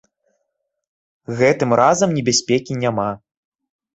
Гэтым разам небяспекі няма.